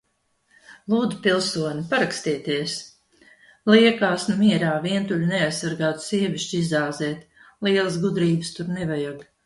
-Lūdzu, pilsone, parakstieties. -Liekās nu mierā! Vientuļu, neaizsargātu sievišķi izāzēt- lielas gudrības tur nevajag.